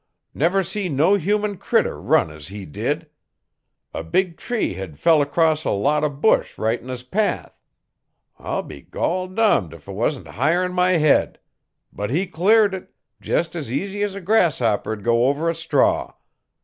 Never see no human critter run as he did! A big tree hed fell 'cross a lot o' bush right 'n his path. I'll be gol dummed if 'twan't higher 'n my head! But he cleared it jest as easy as a grasshopper'd go over a straw.